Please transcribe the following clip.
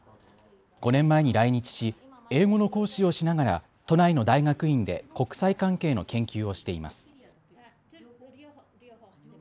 ５年前に来日し英語の講師をしながら都内の大学院で国際関係の研究をしています。